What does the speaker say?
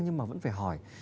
nhưng mà vẫn phải hỏi